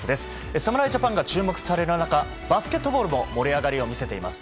侍ジャパンが注目される中バスケットボールも盛り上がりを見せています。